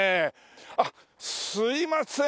あっすいません。